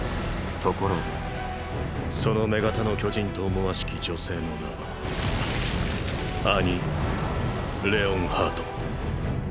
ところがその女型の巨人と思わしき女性の名はアニ・レオンハート。